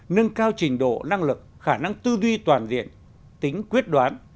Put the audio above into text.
nâng cao trình độ năng lực khả năng tư duy toàn diện tính quyết đoán